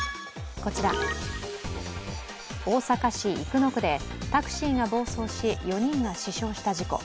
こちら、大阪市生野区でタクシーが暴走し、４人が死傷した事故。